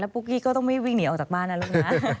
ปุ๊กกี้ก็ต้องไม่วิ่งหนีออกจากบ้านนะลูกนะ